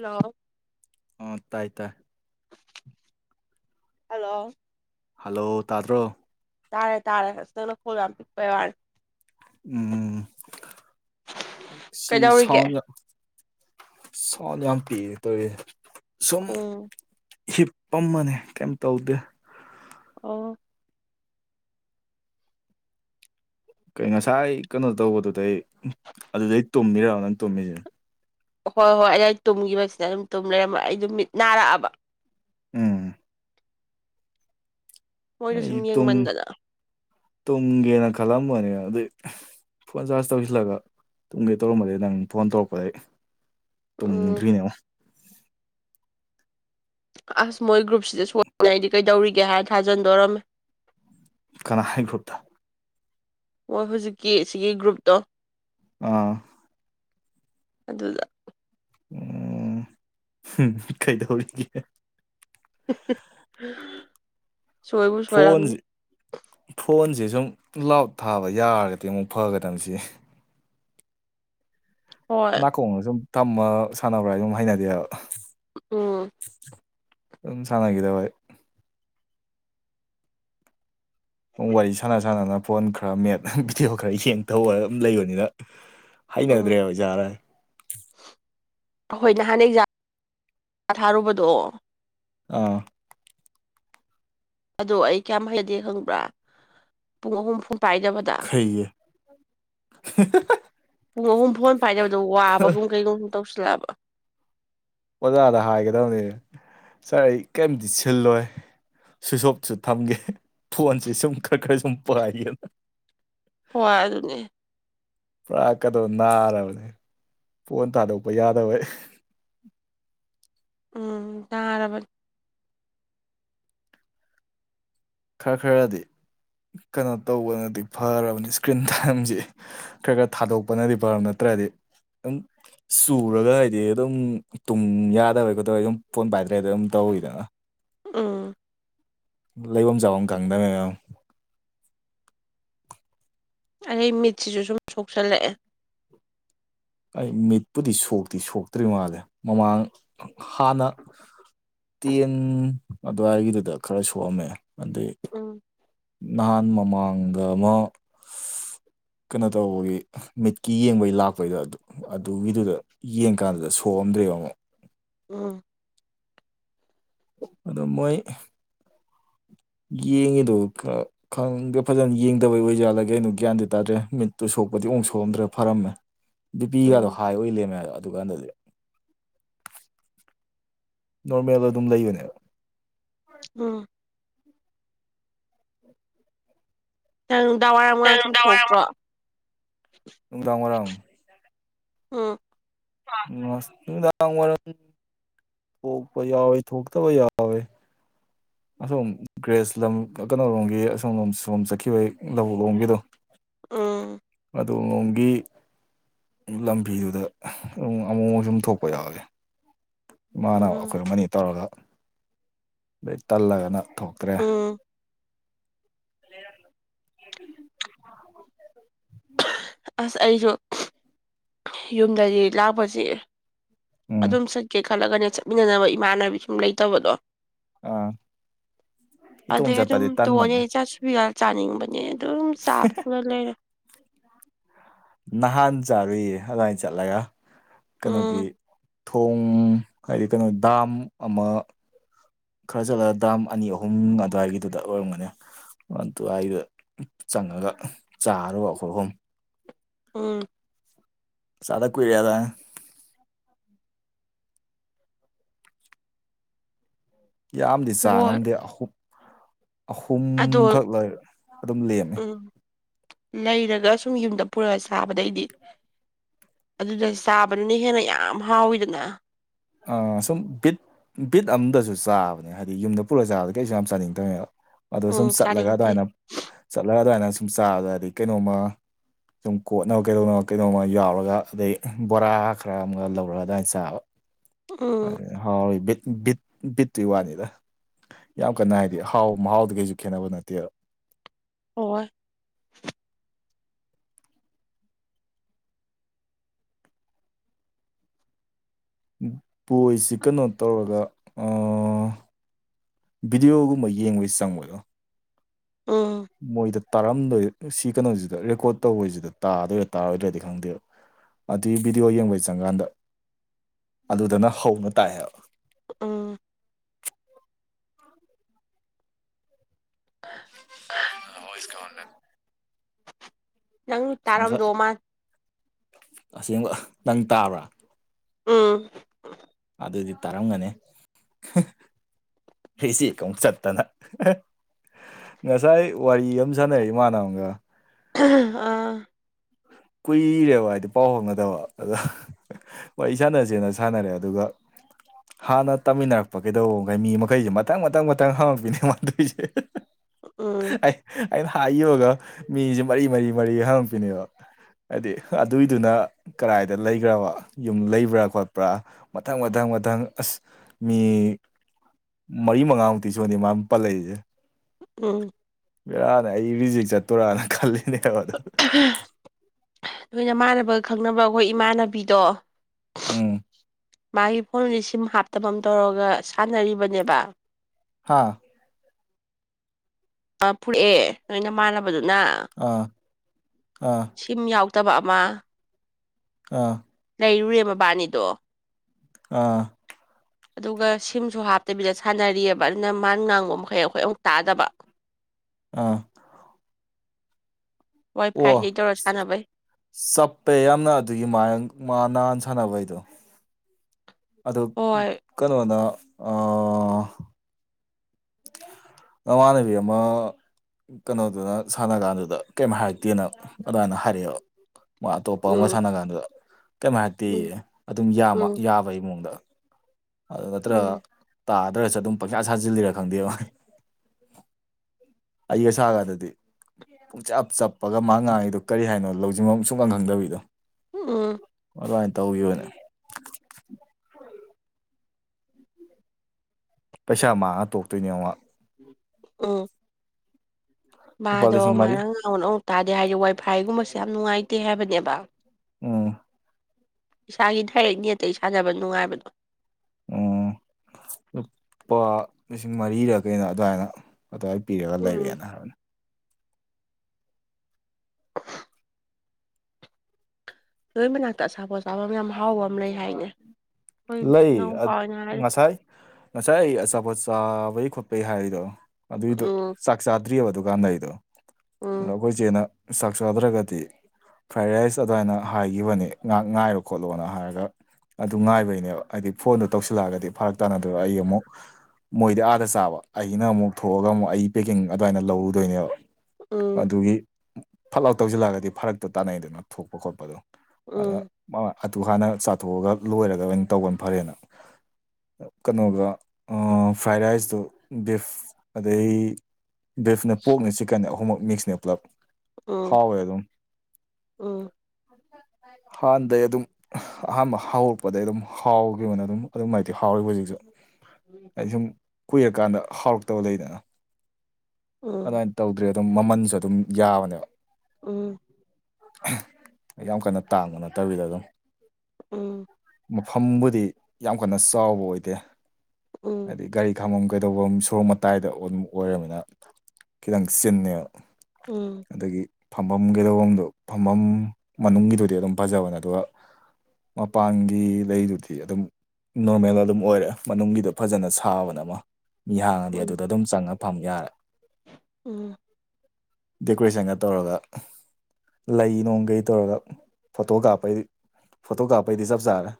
ꯅ [inaudible] ꯑꯣ ꯇꯥꯏ ꯇꯥꯏ ꯍꯜꯂꯣ ꯍꯜꯂꯣ ꯇꯥꯗ꯭ꯔꯣ ꯇꯥꯔꯦ ꯇꯥꯔꯦꯅ ꯐꯣ ꯌꯥꯝꯄꯔ ꯎꯝ ꯁꯤ ꯀꯩꯗꯧꯔꯤꯒꯦ ꯁꯥꯎꯟ ꯁꯥꯎ ꯌꯥꯝ ꯄꯤ ꯇꯧꯔꯤꯁꯦ ꯁꯨꯝ ꯎꯝ ꯍꯤꯞ ꯄꯝꯃꯅꯦ ꯀꯩꯝ ꯇꯧꯗꯦ ꯑꯣ ꯀ ꯉꯁꯥꯏ ꯀꯩꯅꯣ ꯇꯧꯕꯗꯨꯗꯩ ꯑꯗꯨꯗꯩ ꯇꯨꯝꯃꯤꯔꯕ ꯅꯪ ꯇꯨꯝꯃꯤꯁꯦ ꯍꯣꯏ ꯍꯣꯏ ꯑꯩꯩꯅ ꯇꯨꯝꯈꯤꯕꯁꯤꯗ ꯑꯗꯨꯝ ꯇꯨꯝ ꯂꯩꯔꯝꯃ ꯑꯩ ꯑꯗꯨꯝ ꯃꯤꯠ ꯅꯥꯔꯛꯑꯕ ꯎꯝ ꯃꯣꯏꯗꯣ ꯑꯩ ꯁꯨꯝ ꯇꯨꯝ ꯌꯦꯡꯃꯟꯗꯅ ꯇꯨꯝꯒꯦꯅ ꯈꯜꯂꯝꯕꯅꯦ ꯑꯗꯨꯗꯤ ꯐꯣꯟ ꯆꯥꯔꯖ ꯇꯧꯁꯤꯜꯂꯒ ꯇꯨꯝꯒꯦ ꯇꯧꯔꯝꯕꯗꯒꯤꯩ ꯅꯪ ꯐꯣꯟ ꯇꯧꯔꯛꯄꯗꯩ ꯇꯝ ꯎꯝ ꯗ꯭ꯔꯤꯅꯦꯃ ꯑꯁ ꯃꯣꯏ ꯒ꯭ꯔꯨꯞꯁꯤꯗ ꯁꯣꯏꯔꯤꯉꯩꯗꯤ ꯀꯩꯗꯧꯔꯤꯒꯦ ꯍꯥꯏꯔ ꯊꯥꯖꯟꯗꯣꯔꯝꯃꯦ ꯀꯅꯥ ꯍꯣꯏ ꯀ꯭ꯔꯨꯞꯇ ꯍꯣꯏ ꯍꯧꯖꯤꯛꯀꯤ ꯁꯤꯒꯤ ꯒ꯭ꯔꯨꯞꯇꯣ ꯑꯥ ꯑꯗꯨꯗ ꯑꯣ ꯎꯝ ꯀꯩꯗꯧꯔꯤꯒꯦ [unintelligible] ꯁꯣꯏꯕꯨ ꯁꯣꯏꯔꯝꯅꯤ ꯐꯣꯟꯁꯦ ꯐꯣꯟꯁꯦ ꯁꯨꯝ ꯂꯥꯎꯠ ꯊꯥꯕ ꯌꯥꯔꯒꯗꯤ ꯑꯃꯨꯛ ꯐꯒꯗꯕ ꯁꯤ ꯍꯣꯏ ꯈꯣꯡꯅ ꯁꯨꯝ ꯊꯝꯃ ꯁꯥꯟꯅꯕ꯭ꯔꯥ ꯑꯗꯨꯝ ꯍꯩꯅꯗꯦꯕ ꯎꯝ ꯑꯗꯨꯝ ꯁꯥꯟꯅꯗꯕꯩ ꯋꯥꯔꯤ ꯁꯥꯟꯅ ꯁꯥꯟꯅꯅ ꯐꯣꯟ ꯈꯔ ꯃꯦꯠ ꯚꯤꯗꯤꯑꯣ ꯈꯔ ꯌꯦꯡ ꯇꯧꯔꯒ ꯑꯗꯨꯝ ꯂꯩꯕꯅꯤꯅ ꯎꯝ ꯍꯩꯅꯗ꯭ꯔꯦ ꯑꯤꯁꯥꯗ ꯑꯩꯈꯣꯏ ꯅꯍꯥꯟ ꯑꯦꯛꯖꯥꯝ ꯊꯥꯔꯨꯕꯗꯣ ꯑꯥ ꯑꯗꯣ ꯑꯩ ꯀꯌꯥꯝ ꯍꯩꯅꯗꯦ ꯈꯪꯕ꯭ꯔꯥ ꯄꯨꯡ ꯑꯍꯨꯝ ꯐꯣꯟ ꯄꯥꯏꯗꯕ ꯀꯩꯒꯤ ꯄꯨꯡ ꯑꯍꯨꯝ ꯐꯣꯟ ꯄꯥꯏꯗꯕꯗꯣ ꯋꯥꯕꯒꯨꯝ ꯀꯩꯒꯨꯝ ꯇꯧꯁꯤꯜꯂꯛꯑꯕ ꯑꯣꯖꯥꯗ ꯍꯥꯏꯒꯗꯕꯅꯤ ꯁꯥꯔ ꯑꯩ ꯀꯔꯤꯝꯇ ꯁꯤꯜꯂꯣꯏ ꯁ꯭ꯋꯤꯁ ꯑꯣꯐꯁꯨ ꯊꯝꯒꯦ ꯐꯣꯟꯁꯦ ꯁꯨꯝ ꯈꯔ ꯈꯔ ꯁꯨꯝ ꯄꯥꯏꯀꯦꯅ ꯍꯣꯏ ꯑꯗꯨꯅꯦ ꯄꯨꯔꯥ ꯀꯗꯧ ꯅꯥꯔꯕꯅꯦ ꯐꯣꯟ ꯊꯥꯗꯣꯛꯄ ꯌꯥꯗꯕꯩ ꯎꯝ ꯅꯥꯔꯕꯅꯦ ꯈꯔ ꯈꯔꯗꯤ ꯀꯩꯅꯣ ꯇꯧꯕꯅꯗꯤ ꯐꯔꯕꯅꯤ ꯏꯁꯀ꯭ꯔꯤꯟ ꯇꯥꯏꯝꯁꯤ ꯈꯔ ꯈꯔ ꯊꯥꯗꯣꯛꯄꯅꯗꯤ ꯐꯔꯕꯅꯤ ꯅꯠꯇ꯭ꯔꯗꯤ ꯑꯗꯨꯝ ꯆꯨꯔꯒ ꯍꯥꯏꯗꯤ ꯑꯗꯨꯝ ꯇꯨꯝ ꯌꯥꯗꯕꯩ ꯈꯣꯠꯇꯕꯩ ꯑꯗꯨꯝ ꯐꯣꯟ ꯄꯥꯏꯗ꯭ꯔꯦꯗꯤ ꯑꯗꯨꯝ ꯇꯧꯋꯤꯗꯅ ꯑꯥ ꯂꯩꯐꯝ ꯆꯥꯐꯝ ꯈꯪꯗꯃꯦ ꯃꯌꯥꯝ ꯑꯗꯩ ꯃꯤꯠꯁꯤꯁꯨ ꯁꯨꯝ ꯁꯣꯛꯆꯜꯂꯛꯑꯦ ꯑꯩ ꯃꯤꯠꯄꯨꯗꯤ ꯁꯣꯛꯇꯤ ꯁꯣꯛꯇ꯭ꯔꯤ ꯃꯥꯜꯂꯦ ꯃꯃꯥꯡ ꯍꯥꯟꯅ ꯇꯦꯟ ꯑꯗꯨꯋꯥꯏꯒꯤꯗꯨꯗ ꯈꯔ ꯁꯣꯛꯑꯝꯃꯦ ꯑꯗꯨꯗꯤ ꯑꯥ ꯅꯍꯥꯟ ꯃꯃꯥꯡꯗ ꯑꯃ ꯀꯩꯅꯣ ꯇꯧꯕꯒꯤ ꯃꯤꯠꯀꯤ ꯌꯦꯡꯕꯩ ꯂꯥꯛꯄꯩꯗ ꯑꯗꯨ ꯑꯗꯨꯒꯤꯗꯨꯗ ꯌꯦꯡꯀꯥꯟꯗꯨꯗ ꯁꯣꯛꯑꯝꯗ꯭ꯔꯦꯕ ꯑꯃꯨꯛ ꯎꯝ ꯑꯗꯣ ꯃꯣꯏ꯫ ꯌꯦꯡꯉꯤꯗꯣ ꯈꯔ꯫ ꯈꯪꯗꯦ ꯐꯖꯅ ꯌꯦꯡꯗꯕꯩ ꯑꯣꯏꯖꯥꯠꯂ ꯀꯩꯅꯣ ꯒ꯭ꯌꯥꯟꯗꯤ ꯇꯥꯗ꯭ꯔꯦ ꯃꯤꯠꯇꯨ ꯁꯣꯛꯄꯗꯤ ꯑꯃꯕꯨꯛ ꯁꯣꯛꯑꯝꯗ꯭ꯔꯦ ꯐꯔꯝꯃꯦ꯫ ꯕꯤꯄꯤꯒꯗꯣ ꯎꯝ ꯍꯥꯏ ꯑꯣꯏ ꯂꯩꯔꯝꯃꯦ ꯍꯥꯏꯕ꯫ ꯗꯨꯀꯥꯟꯗꯗꯤ ꯅꯣꯔꯃꯦꯜ ꯑꯗꯨꯝ ꯂꯩꯕꯅꯦꯕ꯫ ꯎꯝ꯫ ꯅꯨꯡꯗꯥꯡ ꯅꯨꯡꯗꯥꯡ ꯋꯥꯏꯔꯝꯒ ꯁꯨꯝ ꯊꯣꯛꯇ꯭ꯔꯣ꯫ ꯅꯨꯡꯗꯥꯡ ꯋꯥꯏꯔꯝ꯫ ꯎꯝ꯫ ꯅꯨꯡꯗꯥꯡ ꯋꯥꯏꯔꯝ ꯊꯣꯛꯄ ꯌꯥꯎꯏ ꯊꯣꯛꯇꯕ ꯌꯥꯎꯏ꯫ ꯑꯁꯣꯝ ꯒ꯭ꯔꯦꯁ ꯂꯝ ꯀꯩꯅꯣ ꯂꯣꯝꯒꯤ ꯑꯁꯣꯝ ꯂꯣꯝ ꯁꯣꯝ ꯆꯠꯈꯤꯕꯒꯤ ꯂꯧꯕꯨꯛ ꯂꯣꯝꯒꯤꯗꯣ ꯎꯝ ꯑꯗꯣꯝꯂꯣꯝꯒꯤ ꯂꯝꯕꯤꯗꯨꯗ ꯑꯃꯨꯛ ꯑꯃꯨꯛ ꯁꯨꯝ ꯊꯣꯛꯄ ꯌꯥꯎꯑꯦ ꯏꯃꯥꯟꯅꯕ ꯎꯝ ꯑꯩꯈꯣꯏ ꯑꯃ ꯑꯅꯤ ꯇꯧꯔꯒ ꯑꯗꯩ ꯇꯜꯂꯒꯅ ꯊꯣꯛꯇ꯭ꯔꯦ ꯎꯝ ꯑꯁ ꯑꯁꯨ ꯌꯨꯝꯗꯗꯤ ꯂꯥꯛꯄꯁꯤ ꯎꯝ ꯑꯗꯨꯝ ꯆꯠꯀꯦ ꯈꯜꯂꯒꯅꯦ ꯆꯠꯃꯤꯟꯅꯅꯕ ꯏꯃꯥꯟꯅꯕꯤ ꯁꯨꯝ ꯂꯩꯇꯕꯗꯣ ꯑꯥ ꯏꯇꯣꯝ ꯑꯗꯩꯩ ꯑꯗꯨꯝ ꯆꯠꯄꯗꯤ ꯇꯣꯛꯑꯅꯦ ꯇꯟꯕꯅꯦ ꯆꯠ ꯐꯨꯌꯥꯜ ꯆꯥꯅꯤꯡꯕꯅꯦ ꯑꯗꯨꯝ ꯆꯥꯕ ꯐꯪꯗ ꯂꯩꯔꯦ ꯅꯍꯥꯟ ꯆꯥꯔꯨꯏꯌꯦ ꯑꯗꯥꯏ ꯆꯠꯂꯒ ꯀꯩꯅꯣꯒꯤ ꯎꯝ ꯊꯣꯡ ꯍꯥꯏꯗꯤ ꯀꯩꯅꯣ ꯗꯥꯝ ꯑꯃ ꯈꯔ ꯆꯠꯂꯒ ꯗꯥꯝ ꯑꯅꯤ ꯑꯍꯨꯝ ꯑꯗꯨꯋꯥꯏꯒꯤꯗꯨꯗ ꯑꯣꯏꯔꯝꯒꯅꯤ ꯑꯗꯨꯋꯥꯏꯗꯨꯗ ꯆꯪꯉꯥꯒ ꯆꯔꯨꯕ ꯑꯩꯈꯣꯢ ꯑꯍꯨꯝ ꯎꯝ [unintelligible] ꯆꯥꯗ ꯀꯨꯏꯔꯦ ꯑꯗꯨꯃꯥꯏꯅ꯫ ꯌꯥꯝꯗꯤ ꯆꯥ ꯍꯣꯏ ꯉꯝꯗꯦ ꯑꯍꯨꯝ ꯑꯗꯣ ꯑꯍꯨꯝꯈꯛꯂ ꯑꯗꯨꯝ ꯂꯦꯝꯃꯦ꯫ ꯎꯝ ꯂꯩꯔꯒ ꯁꯨꯝ ꯌꯨꯝꯗ ꯄꯨꯔꯛꯑꯒ ꯆꯥꯕꯗꯩꯗꯤ꯫ ꯑꯗꯨꯗ ꯆꯥꯕꯅꯤꯅ ꯍꯦꯟꯅ ꯌꯥꯝ ꯍꯥꯎꯋꯤꯗꯅ꯫ ꯑ ꯁꯨꯝ ꯕꯤꯠ꯫ ꯕꯤꯠ ꯑꯃꯗꯁꯨ ꯆꯥꯕꯅꯦ ꯍꯥꯏꯗꯤ ꯌꯨꯝꯗ ꯄꯨꯔꯛꯒ ꯆꯥꯕꯗꯤ ꯀꯩꯁꯨ ꯌꯥꯝ ꯆꯥꯅꯤꯡꯗꯝꯅꯦꯕ꯫ ꯑꯗꯨꯗ ꯁꯨꯝ ꯎꯝ ꯆꯠꯂꯒ ꯆꯥꯅꯤꯡꯗꯦ ꯑꯗꯨꯃꯥꯏꯅ ꯆꯠꯂꯒ ꯑꯗꯨꯃꯥꯏꯅ ꯁꯨꯝ ꯆꯥꯕꯅꯗꯤ ꯀꯩꯅꯣꯝꯃ꯫ ꯁꯨꯝ ꯀꯣꯠꯅꯕ ꯀꯩꯗꯧꯅꯕ ꯀꯩꯗꯧꯅꯕ ꯌꯥꯎꯔꯒ ꯑꯗꯩ ꯕꯣꯔꯥ ꯈꯔ ꯑꯃꯒ ꯂꯧꯔ ꯑꯗꯨꯃꯥꯏ ꯆꯥꯕ꯫ ꯎꯝ꯫ ꯑꯗꯨ ꯍꯥꯎꯔꯤ ꯕꯤꯠ ꯕꯤꯠꯇꯨꯏ ꯋꯥꯅꯤꯗ꯫ ꯌꯥꯝ ꯀꯟꯅ ꯍꯥꯏꯗꯤ ꯍꯥꯎ ꯃꯍꯥꯎꯗꯨ ꯀꯩꯁꯨ ꯈꯦꯠꯅꯕ ꯅꯠꯇꯦꯕ꯫ ꯍꯣꯏ [unintelligible] ꯕꯣꯏꯁꯁꯤ ꯀꯩꯅꯣ ꯇꯧꯔꯒ ꯑꯥ꯫ ꯕꯤꯗꯤꯑꯣꯒꯨꯝꯕ ꯌꯦꯡꯕꯩ ꯆꯪꯕꯗꯣ꯫ ꯎꯝ꯫ ꯃꯣꯏꯗ ꯇꯥꯔꯝꯗꯣꯏ ꯁꯤ ꯀꯩꯅꯣꯁꯤꯗ ꯔꯦꯀꯣꯔꯠ ꯇꯧꯕꯁꯤꯗ ꯇꯥꯗꯣꯏꯔꯥ ꯇꯥꯔꯣꯏꯗ꯭ꯔꯗꯤ ꯈꯪꯗꯦꯕ꯫ ꯑꯗꯨꯒꯤ ꯚꯤꯗꯤꯑꯣ ꯌꯦꯡꯕꯩ ꯆꯪꯀꯥꯟꯗ ꯑꯗꯨꯗꯅ ꯍꯧꯅ ꯇꯥꯏꯌꯦ ꯍꯥꯏꯕ꯫ ꯎꯝ꯫ [unintelligible] ꯅꯪ ꯉꯁꯥꯏ ꯇꯥꯔꯝꯗꯣ ꯃꯥꯟ ꯑꯁꯦꯡꯕ ꯅꯪ ꯇꯥꯕ꯭ꯔꯥ꯫ ꯎꯝ꯫ ꯑꯗꯨꯗꯤ ꯇꯥꯔꯝꯒꯅꯤ꯫ ꯔꯤꯖꯦꯛ ꯑꯃꯨꯛ ꯆꯠꯇꯅ꯫ ꯉꯁꯥꯏ ꯋꯥꯔꯤ ꯑꯝ ꯁꯥꯟꯅꯩ ꯏꯃꯥꯟꯅꯕ ꯑꯃꯒ꯫ ꯑꯥ ꯀꯨꯏꯔꯦꯕ ꯍꯥꯏꯗꯤ ꯄꯥꯎ ꯐꯥꯎꯅꯗꯕ ꯑꯗ ꯋꯥꯔꯤ ꯁꯥꯟꯅꯁꯦꯅ ꯁꯥꯟꯅꯔꯦ ꯑꯗꯨꯒ ꯍꯥꯟꯅ ꯇꯝꯃꯤꯟꯅꯔꯛꯄ ꯀꯩꯗꯧꯕ ꯃꯈꯩ ꯃꯤ ꯃꯈꯩꯁꯦ ꯃꯊꯪ ꯃꯊꯪ ꯃꯊꯪ ꯍꯥꯡꯉꯛꯄꯤꯅꯦ ꯃꯥꯅ ꯇꯧꯏꯁꯦ ꯎꯝ ꯑꯩꯅ ꯍꯥꯏꯒꯤꯕꯒ ꯃꯤꯁꯦ ꯃꯔꯤ ꯃꯔꯤ ꯃꯔꯤ ꯍꯪꯉꯛꯄꯤꯅꯦꯕ ꯍꯥꯏꯗꯤ ꯑꯗꯨꯏꯗꯨꯅ ꯀꯗꯥꯥꯏꯗ ꯂꯩꯈ꯭ꯔꯕ ꯌꯨꯝ ꯂꯩꯕ꯭ꯔꯥ ꯈꯣꯠꯄ꯭ꯔꯥ ꯃꯊꯪ ꯃꯊꯪ ꯃꯊꯪ ꯑꯁ ꯃꯤ ꯃꯔꯤ ꯃꯉꯥꯃꯨꯛꯇꯤ ꯁꯨꯅꯤ ꯃꯥꯅ ꯄꯜꯂꯛꯏꯁꯦ ꯎꯝ ꯕꯦꯔꯥꯅꯦ ꯑꯩ ꯔꯤꯖꯤꯛ ꯆꯠꯇꯣꯏꯣꯔꯥꯅ ꯈꯜꯂꯤꯅꯦꯕ ꯑꯗꯨꯗ ꯅꯣꯏ ꯅꯃꯥꯟꯅꯕꯒ ꯈꯪꯅꯕ ꯑꯩꯈꯣꯏ ꯏꯃꯥꯟꯅꯕꯤꯗꯣ ꯎꯝ꯫ ꯃꯥꯒꯤ ꯐꯣꯟ ꯁꯤꯝ ꯍꯥꯞꯇꯕ ꯑꯃ ꯇꯧꯔꯒ ꯁꯥꯟꯅꯔꯤꯕꯅꯦꯕ꯫ ꯍꯥꯥ꯫ ꯑꯥ ꯐꯨꯔꯛꯑꯦ ꯅꯣꯏ ꯅꯃꯥꯟꯅꯕꯗꯨꯅ꯫ ꯑꯥ ꯑꯥ꯫ ꯁꯤꯝ ꯌꯥꯎꯇꯕ ꯑꯃ꯫ ꯑꯥ꯫ ꯂꯩꯔꯨꯔꯦ ꯃꯕꯥꯅꯤꯗꯣ꯫ ꯑꯥ꯫ [inaudible] ꯑꯗꯨꯒ ꯁꯤꯝꯁꯨ ꯍꯥꯞꯇꯕꯤꯗ ꯁꯥꯟꯅꯔꯤꯑꯦꯕ ꯑꯗꯨꯅ ꯃꯥꯥꯟ ꯉꯥꯡꯕ ꯃꯈꯩ ꯑꯩꯈꯣꯏ ꯑꯃꯨꯛ ꯇꯥꯗꯕ꯫ ꯑꯥ꯫ ꯋꯥꯏ ꯑꯣ ꯐꯥꯏꯗꯩ ꯇꯧꯔ ꯁꯥꯟꯅꯕꯩ ꯆꯞꯄꯦ ꯌꯥꯝꯅ ꯑꯗꯨꯒꯤ ꯃꯥꯅꯥ ꯁꯥꯟꯅꯕꯩꯗꯣ꯫ ꯑꯗꯨ ꯍꯣꯏ ꯀꯩꯅꯣꯅ ꯑ ꯅꯃꯥꯅꯕꯤ ꯑꯃ ꯀꯩꯅꯣꯗꯨꯅ ꯁꯥꯟꯅ ꯀꯥꯟꯗꯨꯗ ꯀꯩꯝ ꯍꯥꯏꯔꯛꯇꯦꯅ ꯑꯗꯨꯃꯥꯏꯅ ꯍꯥꯏꯔꯛꯑꯦꯕ ꯃꯥ ꯑꯇꯣꯞꯄ ꯑꯃꯒ ꯎꯝ ꯁꯥꯟꯅ ꯀꯥꯟꯗꯨꯗ ꯀꯩꯝ ꯍꯥꯏꯇꯦꯌꯦ ꯎꯝ ꯑꯗꯨꯝ ꯌꯥꯃ ꯎꯝ ꯌꯥꯕꯩ ꯃꯑꯣꯡꯗ ꯑꯗꯨ ꯅꯠꯇ꯭ꯔꯒ ꯎꯝ ꯇꯥꯗ꯭ꯔꯁꯨ ꯑꯗꯨꯝ ꯄꯪꯁꯥ ꯁꯥꯖꯤꯜꯂꯤꯔ ꯈꯪꯗꯦꯕ ꯑꯩꯒ ꯁꯥꯀꯥꯟꯗꯗꯤ ꯄꯨꯡꯆꯞ ꯆꯞꯄꯒ ꯃꯥ ꯉꯥꯡꯉꯤꯗꯣ ꯀꯔꯤ ꯍꯥꯏꯅꯣ ꯂꯧꯁꯤꯡꯤꯡꯐꯝ ꯁꯨꯡꯈꯪ ꯈꯪꯗꯕꯤꯗꯣ [unintelligible] ꯑꯗꯨꯃꯥꯏꯅ ꯇꯧꯈꯤꯕꯅꯦ ꯄꯩꯁꯥ ꯃꯥꯡꯉꯒ ꯇꯣꯛꯇꯣꯏꯅꯦ ꯌꯦꯡꯉꯣꯃꯥ ꯑ ꯂꯨꯄꯥ ꯃꯥꯗꯣ ꯂꯤꯁꯤꯡ ꯃꯔꯤ ꯃꯥꯅ ꯉꯥꯡꯕꯗꯣ ꯑꯃꯣꯛ ꯇꯥꯗꯦ ꯍꯥꯏꯗꯣ ꯋꯥꯏ ꯐꯥꯏꯒꯨꯝꯕꯁꯦ ꯌꯥꯝ ꯅꯨꯡꯉꯥꯏꯇꯦ ꯍꯥꯏꯕꯅꯦꯕ ꯎꯝ ꯏꯁꯥꯒꯤ ꯗꯥꯏꯔꯦꯛ ꯅꯦꯠꯇꯩ ꯁꯥꯟꯅꯕꯅ ꯅꯨꯡꯉꯥꯏꯕꯗꯣ ꯑꯣ ꯂꯨꯄꯥ ꯂꯤꯁꯤꯡ ꯃꯔꯤꯔ ꯀꯩꯅꯣ ꯑꯗꯨꯃꯥꯏꯅ ꯑꯗꯨꯋꯥꯏ ꯄꯤꯔꯒ ꯎꯝ ꯂꯩꯔꯛꯑꯦꯅ ꯍꯥꯏꯕꯅꯦ ꯅꯣꯏ ꯃꯅꯥꯛꯇ ꯑꯆꯥꯥꯄꯣꯠ ꯆꯥꯐꯝ ꯌꯥꯝ ꯍꯥꯎꯕ ꯑꯃ ꯂꯩ ꯍꯥꯏꯅꯦ ꯑꯩꯈꯣꯏ ꯂꯩ ꯏꯅꯥꯎꯄꯥ ꯍꯣꯏꯅ ꯍꯥꯏꯔꯤ ꯉꯁꯥꯏ ꯉꯁꯥꯏ ꯑꯩ ꯑꯆꯥꯄꯣꯠ ꯆꯥꯕꯩ ꯈꯣꯠꯄꯩ ꯍꯥꯏꯗꯣ ꯑꯗꯨꯏꯗꯣ ꯎꯝ ꯆꯥꯛ ꯆꯥ ꯗ꯭ꯔꯤꯑꯕ ꯑꯗꯨꯀꯥꯟꯗ ꯑꯩꯗꯣ ꯑꯗ ꯎꯝ ꯑꯩꯈꯣꯏ ꯆꯦꯅ ꯆꯥꯛ ꯆꯥꯗ꯭ꯔꯒꯗꯤ ꯐ꯭ꯔꯥꯏ ꯔꯥꯏꯁ ꯑꯗꯨꯃꯥꯏꯅ ꯍꯥꯏꯈꯤꯕꯅꯦ ꯉꯥꯏꯍꯥꯛ ꯉꯥꯏꯔꯣ ꯈꯣꯠꯂꯣꯅ ꯍꯥꯏꯔꯒ ꯑꯗꯨ ꯉꯥꯏꯕꯩ ꯅꯦꯕ ꯍꯥꯏꯗꯤ ꯐꯣꯟꯗꯣ ꯇꯧꯁꯤꯜꯂꯛꯑꯒꯗꯤ ꯐꯥꯔꯛ ꯇꯥꯟꯅꯗꯣꯏꯕ ꯑꯩ ꯑꯃꯨꯛ ꯃꯣꯏꯗꯤ ꯑꯥꯗ ꯆꯥꯕ ꯑꯩꯅ ꯑꯃꯨꯛ ꯊꯣꯛꯑꯒ ꯑꯃꯨꯛ ꯑꯩ ꯄꯦꯛꯀꯤꯡ ꯑꯗꯨꯃꯥꯏꯅ ꯂꯧꯔꯨꯗꯣꯏꯅꯦꯕ ꯎꯝ ꯑꯗꯨꯒꯤ ꯐꯠ ꯂꯥꯎ ꯇꯧꯁꯤꯜꯂꯛꯑꯒꯗꯤ ꯐꯔꯛꯇꯣ ꯇꯥꯟꯅꯩꯗꯅ ꯊꯣꯛꯄ ꯈꯣꯠꯄꯗꯣ ꯑꯗ ꯎꯝ ꯑꯗꯨ ꯍꯥꯟꯅ ꯆꯥꯊꯣꯛꯑꯒ ꯂꯣꯏꯔꯒ ꯑꯣꯏꯅ ꯇꯧꯕꯅ ꯐꯔꯦꯅ ꯀꯩꯅꯣꯒ ꯐ꯭ꯔꯥꯏ ꯔꯥꯏꯁꯇꯣ ꯕꯤꯐ ꯑꯗꯩ ꯕꯤ꯭ꯐꯅꯦ ꯄꯣꯛꯅꯦ ꯆꯤꯛꯀꯟꯅ ꯑꯍꯨꯝꯃꯛ ꯃꯤꯛꯁꯅꯦ ꯄꯨꯂꯞ ꯎꯝ ꯍꯥꯎꯋꯦ ꯑꯗꯨꯝ ꯎꯝ ꯍꯥꯟꯅꯗꯒꯤꯩ ꯑꯗꯨꯝ ꯑꯍꯥꯟꯕ ꯍꯧꯔꯛꯄꯗꯒꯤꯩ ꯑꯗꯨꯝ ꯍꯥꯎꯈꯤꯕꯅ ꯑꯗꯨꯝ ꯑꯗꯨꯝꯉꯇꯦ ꯍꯥꯎꯔꯤꯕ ꯍꯧꯖꯤꯛꯁꯨ ꯑꯩ ꯁꯨꯝ ꯀꯨꯏꯔꯀꯥꯟꯗ ꯍꯥꯎꯔꯛꯇꯕ ꯂꯩꯗꯅ ꯎꯝ ꯑꯗꯨꯃꯥꯏꯅ ꯇꯧꯗ꯭ꯔꯦ ꯑꯗꯨꯝ ꯃꯃꯟꯁꯨ ꯑꯗꯨꯝ ꯌꯥꯕꯅꯦꯕ ꯎꯝ ꯌꯥꯝ ꯀꯟꯅ ꯇꯥꯡꯕ ꯅꯠꯇꯕꯤꯗ ꯑꯗꯨꯝ ꯎꯝ ꯃꯐꯝꯕꯨꯗꯤ ꯌꯥꯝ ꯀꯟꯅ ꯆꯥꯎꯕ ꯑꯣꯏꯗꯦ ꯍꯥꯏꯗꯤ ꯒꯥꯔꯤ ꯈꯥꯝꯕꯝ ꯀꯩꯗꯧꯕꯐꯝ ꯁꯣꯔꯣꯛ ꯃꯇꯥꯏꯗ ꯑꯗꯨꯝ ꯑꯣꯏꯔꯕꯃꯤꯅ ꯈꯤꯇꯪ ꯆꯤꯟꯅꯦꯕ ꯎꯝ ꯑꯗꯒꯤ ꯐꯝꯐꯝꯒꯤ ꯂꯧꯑꯣꯡꯗꯣ ꯐꯝꯐꯝ ꯃꯅꯨꯡꯒꯤꯗꯨꯗꯤ ꯑꯗꯨꯝ ꯐꯖꯕꯅꯦ ꯑꯗꯨꯒ ꯃꯄꯥꯟꯒꯤ ꯂꯩꯗꯨꯗꯤ ꯑꯗꯨꯝ ꯅꯣꯔꯃꯦꯜ ꯑꯗꯨꯝ ꯑꯣꯏꯔꯦ ꯃꯅꯨꯡꯒꯤꯗꯣ ꯐꯖꯅ ꯁꯥꯕꯅ ꯑꯃ ꯃꯤ ꯍꯥꯡꯉꯗꯤ ꯎꯝ ꯑꯗꯨꯗ ꯑꯗꯨꯝ ꯆꯪꯉ ꯐꯝ ꯌꯥꯔꯦ ꯎꯝ ꯗꯦꯀꯣꯔꯦꯁꯟꯒ ꯇꯧꯔꯒ ꯂꯩ ꯅꯨꯡ ꯀꯩ ꯇꯧꯔꯒ ꯐꯣꯇꯣ ꯀꯥꯞꯄꯩ ꯐꯣꯇꯣ ꯀꯥꯄꯩꯗꯤ ꯆꯞ ꯆꯥꯔꯦ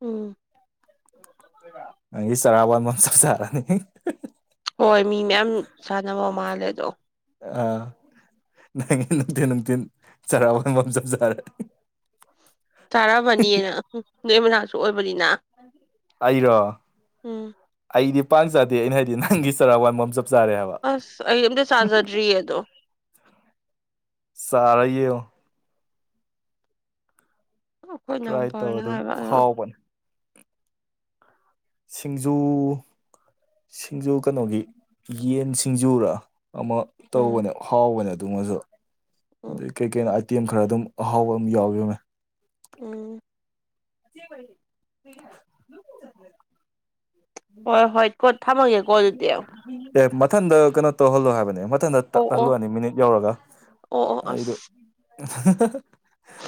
ꯎꯝ ꯁ ꯀ ꯅꯪꯒꯤ ꯆꯔꯥꯕꯥꯟ ꯃꯆꯥ ꯆꯥꯔꯅꯤ ꯍꯣꯏ ꯃꯤ ꯃꯌꯥꯝ ꯁꯥꯟꯅꯕ ꯃꯥꯜꯂꯦ ꯑꯗꯣ ꯑꯥ ꯅꯪꯉ ꯅꯨꯡꯊꯤꯟ ꯅꯨꯡꯊꯤꯟ ꯆꯔꯥꯕ ꯉꯕꯝ ꯆ ꯆꯥꯔꯅꯤ ꯇꯥꯔꯕꯅꯤꯅ ꯎꯝ ꯅꯣꯏ ꯃꯅꯥꯛꯁꯨ ꯑꯣꯏꯕꯅꯤꯅ ꯑꯩꯔꯣ ꯎꯝ ꯑꯩꯗꯤ ꯄꯥꯛ ꯆꯥꯗꯦ ꯑꯩꯅ ꯍꯥꯏꯗꯤ ꯅꯪꯒꯤ ꯆꯔꯥꯛ ꯋꯥꯟꯕ ꯑꯃ ꯆꯞ ꯆꯥꯔꯦ ꯍꯥꯏꯕ ꯑꯁ ꯑꯩ ꯑꯝꯇ ꯆꯥꯖꯗ꯭ꯔꯤꯌꯦ ꯑꯗꯣ ꯁꯔꯩꯣ ꯑꯩꯈꯣꯏ ꯇ꯭ꯔꯥꯏ ꯏꯅꯥꯎꯄꯥ ꯇꯧ ꯍꯣꯏꯅ ꯑꯗꯨꯝ ꯍꯥꯏꯕ ꯑꯗꯣ ꯍꯥꯎ ꯁꯤꯡꯖꯨ ꯁꯤꯡꯖꯨ ꯀꯩꯅꯣꯒꯤ ꯌꯦꯟ ꯁꯤꯡꯖꯨꯔ ꯑꯃ ꯎꯝ ꯇꯧꯕꯅꯦ ꯍꯥꯎꯕꯅꯦ ꯑꯗꯨꯃꯁꯨ ꯎꯝ ꯑꯗꯩ ꯀꯩꯀꯩꯅꯣ ꯑꯥꯏꯇꯦꯝ ꯈꯔ ꯑꯗꯨꯝ ꯑꯍꯥꯎꯕ ꯑꯗꯨꯝ ꯌꯥꯎꯔꯝꯃꯦ ꯎ ꯦ ꯂ ꯍꯣꯏ ꯍꯣꯏ ꯀꯣ ꯊꯝꯃꯒꯦꯀꯣ ꯑꯗꯨꯗꯤ ꯑꯣ ꯑꯦ ꯃꯊꯟꯗ ꯀꯩꯅꯣ ꯇꯧꯍꯜꯂꯣ ꯍꯥꯏꯕꯅꯦ ꯃꯊꯟꯗ ꯑꯣ ꯇꯠꯍꯜꯂꯨꯅꯤ ꯃꯤꯅꯤꯠ ꯌꯧꯔꯒ ꯑꯣ ꯑꯣ ꯑꯩꯗꯨ ꯑꯁ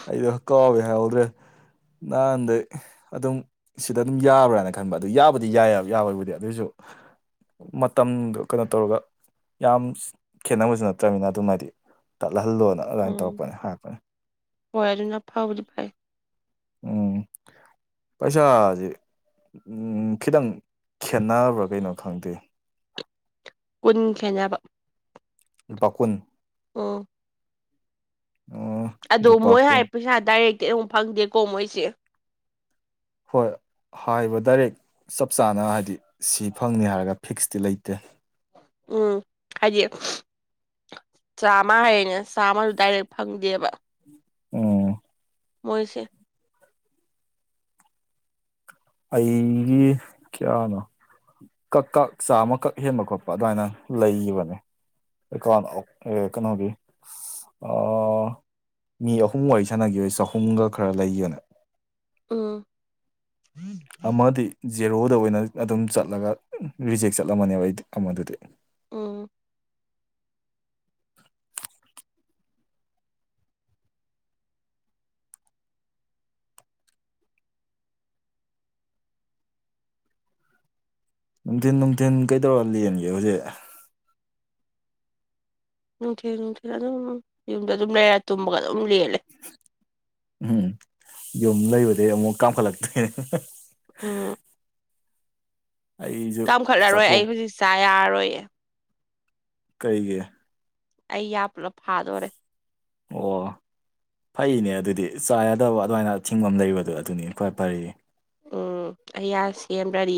ꯑꯩꯗꯣ ꯀꯥꯎꯋꯦ ꯍꯥꯏꯍꯥꯎꯗ꯭ꯔꯦ ꯅꯍꯥꯟꯗ ꯑꯗꯨꯝ ꯁꯤꯗ ꯑꯗꯨꯝ ꯌꯥꯕ꯭ꯔꯥꯅ ꯈꯟꯕ ꯑꯗꯨꯕ ꯕꯨꯗꯤ ꯌꯥꯏ ꯌꯥꯕꯣꯏꯕꯨꯗꯤ ꯑꯗꯨꯑꯣꯏꯁꯨ ꯃꯇꯝꯗ ꯀꯩꯅꯣ ꯇꯧꯔꯒ ꯌꯥꯝ ꯈꯦꯠꯅꯕꯁꯨ ꯅꯠꯇ꯭ꯔꯅꯤꯅ ꯑꯗꯨꯃꯥꯏꯗꯤ ꯇꯠꯂꯍꯜꯂꯣꯅ ꯑꯗꯨꯃꯥꯏꯅ ꯎꯝ ꯇꯧꯔꯛꯄꯅꯦ ꯍꯥꯏꯔꯛꯄꯅꯤ ꯍꯣꯏ ꯑꯗꯨꯅ ꯐꯥꯎꯕꯗꯤ ꯐꯩ [unintelligible] ꯄꯩꯁꯥꯁꯦ ꯈꯤꯇꯪ ꯈꯦꯠꯅꯕ꯭ꯔꯥ ꯀꯩꯅꯣ ꯈꯪꯗꯦ ꯀꯨꯟ ꯈꯦꯖꯅꯕ ꯂꯨꯄꯥ ꯀꯨꯟ ꯑꯣ ꯑꯣ ꯑꯗꯣ ꯂꯨꯄꯥ ꯃꯣꯏ ꯍꯥꯏ ꯀꯨꯟ ꯄꯩꯁꯥ ꯗꯥꯏꯔꯦꯛꯇꯤ ꯑꯃꯨꯛ ꯐꯪꯗꯦꯀꯣ ꯃꯣꯏꯁꯦ ꯍꯣꯏ ꯍꯥꯏꯔꯤꯕ ꯗꯥꯏꯔꯦꯛ ꯆꯞ ꯆꯥꯅ ꯍꯥꯏꯗꯤ ꯁꯤ ꯐꯪꯅꯤ ꯍꯥꯏꯔꯒ ꯐꯤꯛꯁꯇꯤ ꯂꯩꯇꯦ ꯎꯝ ꯍꯥꯏꯗꯤ ꯆꯥꯝꯃ ꯍꯥꯏꯔꯦꯅ ꯆꯥꯃ ꯗꯥꯏꯔꯦꯛ ꯐꯪꯗꯦꯕ ꯑꯣ ꯃꯣꯏꯁꯦ ꯑꯩꯒꯤ ꯀꯌꯥꯅꯣ ꯀꯛ ꯀꯛ ꯆꯥꯝꯃ ꯀꯛ ꯍꯦꯟꯕ ꯈꯣꯠꯄ ꯑꯗꯨꯃꯥꯏꯅ ꯂꯩꯒꯤꯕꯅꯦ ꯀꯟꯎ ꯑ ꯀꯩꯅꯣꯒꯤ ꯃꯤ ꯑꯍꯨꯝ ꯋꯥꯔꯤ ꯁꯥꯟꯅꯈꯤꯕꯩ ꯆꯍꯨꯝꯒ ꯈꯔ ꯂꯩꯕꯅꯦ ꯎꯝ ꯑꯃꯗꯤ ꯖꯦꯔꯣꯗ ꯑꯣꯏꯅ ꯑꯗꯨꯝ ꯆꯠꯂꯒ ꯔꯤꯖꯦꯛ ꯆꯠꯂꯝꯃꯅꯦꯕ ꯑꯩꯗꯤ ꯑꯃꯗꯨꯗꯤ ꯎꯝ ꯅꯨꯡꯊꯤꯟ ꯅꯨꯡꯊꯤꯟ ꯀꯩꯗꯧꯔ ꯂꯦꯟꯒꯦ ꯍꯧꯖꯤꯛ ꯅꯨꯡꯊꯤ ꯅꯨꯡꯊꯤꯜ ꯑꯗꯨꯝ ꯌꯨꯝꯗ ꯑꯗꯨꯝ ꯂꯩꯔ ꯇꯨꯝꯃꯒ ꯑꯗꯨꯝ ꯂꯦꯜꯂꯦ ꯎꯝ ꯌꯨꯝ ꯂꯩꯕꯗꯒꯤ ꯑꯃꯨꯛ ꯀꯥꯝꯈꯠꯂꯛꯇꯣꯏꯅꯦ ꯎꯝ ꯑꯩꯁꯨ ꯀꯥꯝꯈꯠꯂꯔꯣꯏ ꯑꯩ ꯆꯥꯊꯣꯛ ꯍꯧꯖꯤꯛ ꯆꯥ ꯌꯥꯔꯔꯣꯏꯌꯦ ꯀꯩꯒꯤ ꯑꯩ ꯌꯥ ꯄꯨꯂꯞ ꯐꯥꯗꯣꯔꯦ ꯑꯣ ꯐꯩꯅꯦ ꯑꯗꯨꯗꯤ ꯆꯥ ꯌꯥꯗꯕ ꯑꯗꯨꯃꯥꯏꯅ ꯊꯤꯡꯕ ꯑꯃ ꯂꯩꯕꯗꯣ ꯑꯗꯨꯅꯤ ꯈ꯭ꯋꯥꯏ ꯐꯔꯤꯗꯤ ꯎꯝ ꯑꯩꯌꯥ ꯁꯦꯝꯕꯗꯤ